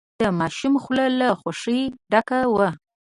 د ماشوم خوله له خوښۍ ډکه وه.